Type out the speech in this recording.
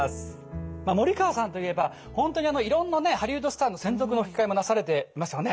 まあ森川さんといえば本当にいろんなねハリウッドスターの専属の吹き替えもなされていますよね？